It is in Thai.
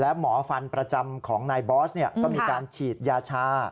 และหมอฟันประจำของนายบอสก็มีการฉีดยาชา